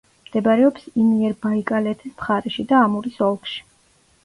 მდებარეობს იმიერბაიკალეთის მხარეში და ამურის ოლქში.